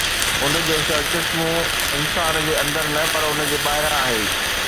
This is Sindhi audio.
ان جو سرچشمو انسان جي اندر نه، پر ان جي ٻاهران آهي.